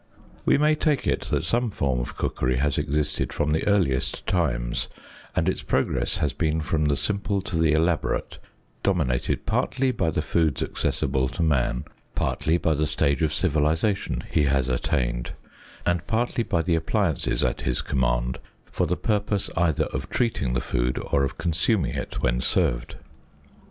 We may take it that some form of cookery has existed from the earliest times, and its progress has been from the simple to the elaborate, dominated partly by the foods accessible to man, partly by the stage of civilization he has attained, and partly by the appliances at his command for the purpose either of treating the food, or of consuming it when served.